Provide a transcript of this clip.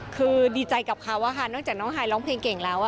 คือดีใจกับเขาอะค่ะนอกจากน้องไฮร้องเพลงเก่งแล้ว